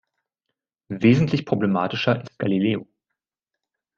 Wesentlich problematischer ist Galileo.